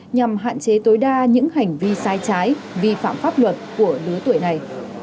nhằm hạn chế tối đa những hành vi sai trái vi phạm pháp luật của lứa tuổi này